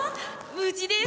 無事です。